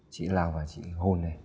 chị lao vào chị hôn này